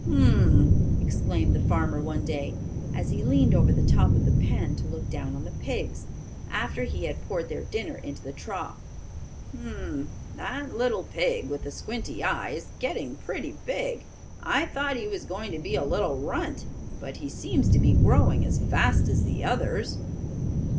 "Hum!" exclaimed the farmer one day, as he leaned over the top of the pen, to look down on the pigs, after he had poured their dinner into the trough. "Hum! That little pig, with the squinty eye, is getting pretty big. I thought he was going to be a little runt, but he seems to be growing as fast as the others."